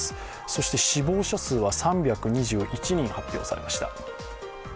そして死亡者数は３２１人、発表されました。